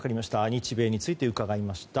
日米について伺いました。